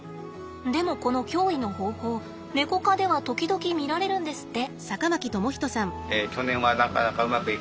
でもこの驚異の方法ネコ科では時々見られるんですって。